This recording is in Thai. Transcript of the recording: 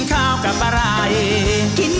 ใครเป็นคู่ควรแม่คุณ